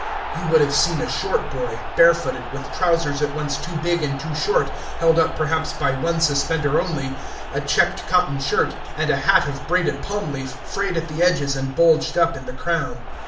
You would have seen a short boy, barefooted, with trousers at once too big and too short, held up perhaps by one suspender only, a checked cotton shirt, and a hat of braided palm leaf, frayed at the edges and bulged up in the crown.